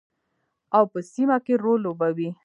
او په سیمه کې رول لوبوي.